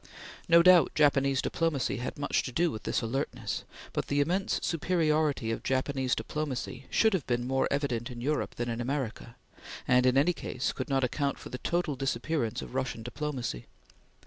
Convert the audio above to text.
No doubt, Japanese diplomacy had much to do with this alertness, but the immense superiority of Japanese diplomacy should have been more evident in Europe than in America, and in any case, could not account for the total disappearance of Russian diplomacy.